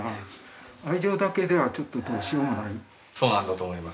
そうなんだと思います